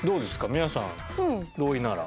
皆さん同意なら。